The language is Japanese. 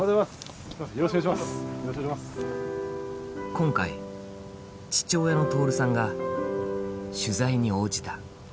今回父親の徹さんが取材に応じた。